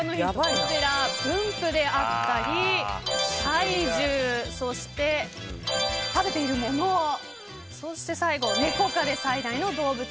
分布であったり、体重そして、食べているものそして最後、ネコ科で最大の動物。